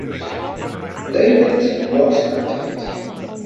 Liebling's boxing articles.